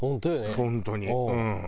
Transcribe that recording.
本当にうん。